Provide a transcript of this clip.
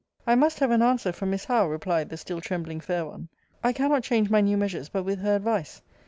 I must have an answer from Miss Howe, replied the still trembling fair one. I cannot change my new measures but with her advice.